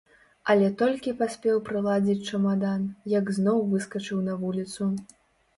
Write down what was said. Але толькі паспеў прыладзіць чамадан, як зноў выскачыў на вуліцу.